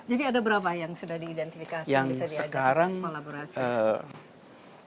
jadi ada berapa yang sudah diidentifikasi bisa diajak kolaborasi